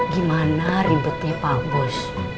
gimana ribetnya pak bos